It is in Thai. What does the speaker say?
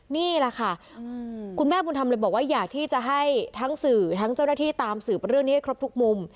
นี่แหละค่ะคุณแม่บุญธรรมเลยบอกว่าอยากที่จะให้ทั้งสื่อทั้งเจ้าหน้าที่ตามสืบเรื่องนี้ให้ครบทุกมุม